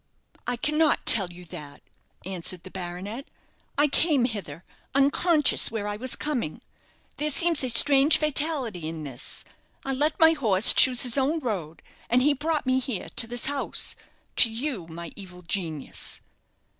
"I cannot tell you that," answered the baronet. "I came hither, unconscious where I was coming. There seems a strange fatality in this. I let my horse choose his own road, and he brought me here to this house to you, my evil genius."